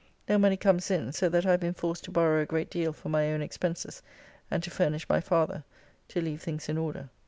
No money comes in, so that I have been forced to borrow a great deal for my own expenses, and to furnish my father, to leave things in order.